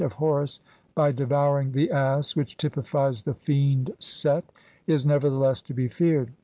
of Horus by devouring the Ass which typifies the fiend Set, is, nevertheless, to be feared.